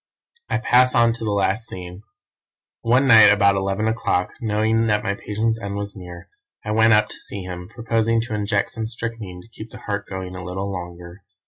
"I pass on to the last scene. One night about eleven o'clock, knowing that my patient's end was near, I went up to see him, proposing to inject some strychnine to keep the heart going a little longer.